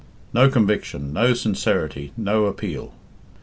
No conviction, no sincerity, no appeal.